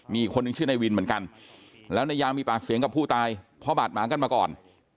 มีคนหนึ่งชื่อนายวินเหมือนกันแล้วนายยางมีปากเสียงกับผู้ตายเพราะบาดหมางกันมาก่อน